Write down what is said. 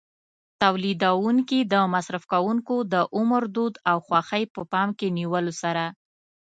تولیدوونکي د مصرف کوونکو د عمر، دود او خوښۍ په پام کې نیولو سره.